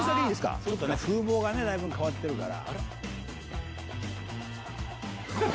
風貌がだいぶ変わってるから。